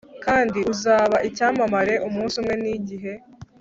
kandi uzaba icyamamare umunsi umwe nigihe